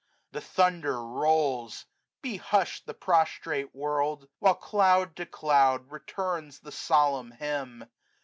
The thunder rolls: be hush'd the prostrate world; 70 While cloud to cloud returns the solemn hymn.